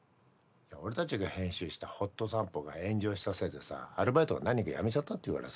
いや俺たちが編集した『ほっと散歩』が炎上したせいでさアルバイトが何人か辞めちゃったっていうからさ。